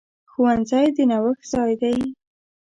ښوونځی د نوښت ځای دی.